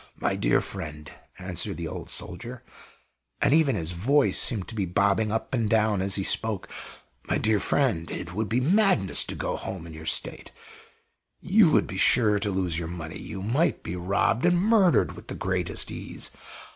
"My dear friend," answered the old soldier and even his voice seemed to be bobbing up and down as he spoke "my dear friend, it would be madness to go home in your state; you would be sure to lose your money; you might be robbed and murdered with the greatest ease.